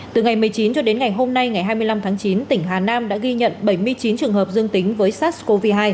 từ ngày một mươi chín cho đến ngày hôm nay ngày hai mươi năm tháng chín tỉnh hà nam đã ghi nhận bảy mươi chín trường hợp dương tính với sars cov hai